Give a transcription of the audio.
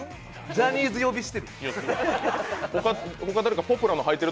ジャニーズ呼びしてる。